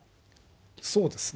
そうですね。